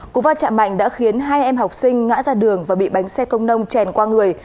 cú va chạm mạnh đã khiến hai em học sinh ngã ra đường và bị bánh xe công nông chèn qua người